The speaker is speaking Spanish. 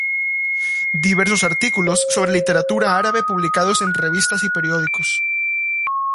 Diversos artículos sobre Literatura árabe publicados en revistas y periódicos.